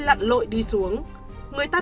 lặn lội đi xuống người ta